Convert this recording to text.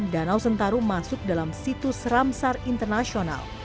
danau sentarum masuk dalam situs ramsar internasional